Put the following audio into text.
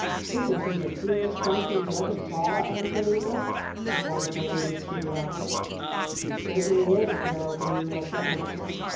"Isn't he the dearest Donkey you ever saw, Angelina?" said one of the ladies to the other. "He certainly is, Geraldine," was the answer.